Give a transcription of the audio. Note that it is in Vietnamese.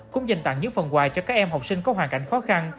cũng dành tặng những phần quà cho các em học sinh có hoàn cảnh khó khăn